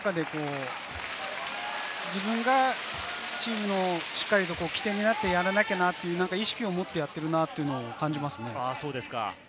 自分の中で自分がチームのしっかりと起点になってやらなきゃなという意識を持ってやっているなというのを感じます。